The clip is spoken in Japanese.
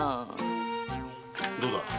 どうだ。